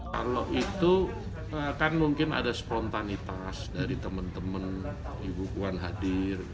kalau itu kan mungkin ada spontanitas dari teman teman ibu puan hadir